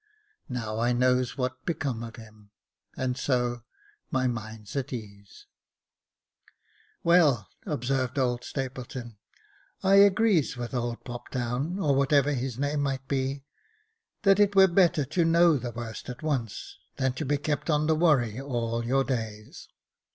Now I knows what's become of him, and so — my minds at easeP " Well," observed old Stapleton, " I agrees with old Poptown, or whatever his name might be, that it were better to know the worst at once, than to be kept on the worry all your days.